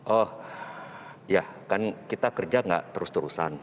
oh ya kan kita kerja nggak terus terusan